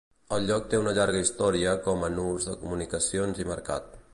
El lloc té una llarga història com a nus de comunicacions i mercat.